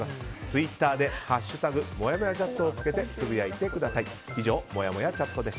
ツイッターで「＃もやもやチャット」をつけてつぶやいてください。